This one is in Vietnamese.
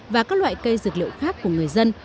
và các loại cây dược liệu khác của người dân